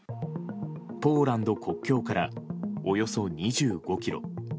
ポーランド国境からおよそ２５ｋｍ。